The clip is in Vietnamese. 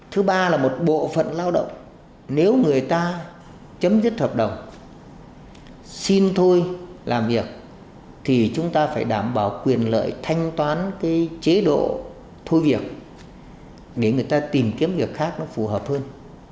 thứ ba là một bộ phận lao động nếu người ta chấm dứt hợp đồng xin thôi làm việc thì chúng ta phải đảm bảo quyền lợi thanh toán cái chế độ thôi việc để người ta tìm kiếm việc khác nó phù hợp hơn